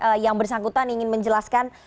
yang bersangkutan ingin menjelaskan